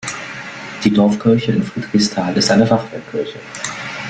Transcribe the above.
Die Dorfkirche in Friedrichsthal ist eine Fachwerkkirche.